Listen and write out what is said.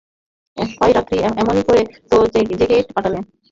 কয়রাত্রি এমনি করে তো জেগেই কাটালেন।